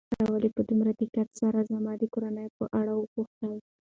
تا ولې په دومره دقت سره زما د کورنۍ په اړه وپوښتل؟